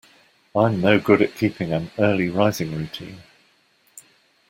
I'm no good at keeping an early rising routine.